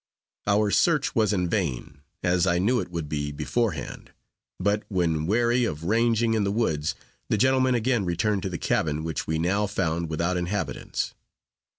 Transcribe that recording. Our search was in vain, as I knew it would be beforehand; but when weary of ranging in the woods, the gentlemen again returned to the cabin, which we now found without inhabitants.